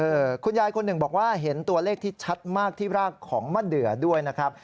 คุณยายคนหนึ่งบอกว่าเห็นตัวเลขที่ชัดมากที่รากของมะเดือด้วยนะครับ